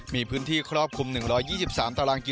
มีพื้นที่ครอบคลุม๑๒๓ตารางกิ